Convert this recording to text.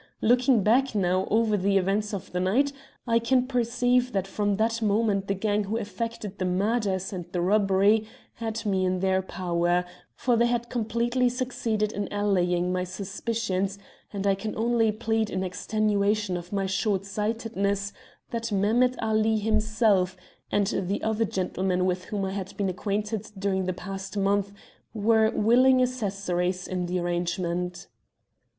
Looking back now over the events of the night, I can perceive that from that moment the gang who effected the murders and the robbery had me in their power, for they had completely succeeded in allaying my suspicions, and I can only plead in extenuation of my shortsightedness that Mehemet Ali himself, and the other gentlemen with whom I had been acquainted during the past month, were willing accessories to the arrangement."